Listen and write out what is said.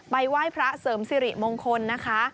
ไหว้พระเสริมสิริมงคลนะคะ